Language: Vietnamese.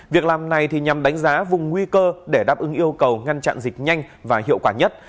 việc làm này nhằm đánh giá vùng nguy cơ để đáp ứng yêu cầu ngăn chặn dịch nhanh và hiệu quả nhất